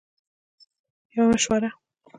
- یوه مشوره 💡